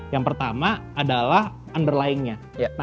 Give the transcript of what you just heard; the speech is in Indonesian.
yang pertama adalah underlyingnya